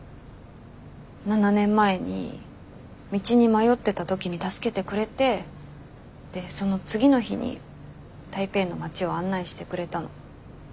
７年前に道に迷ってた時に助けてくれてその次の日に台北の町を案内してくれたの。